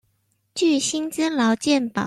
具薪資勞健保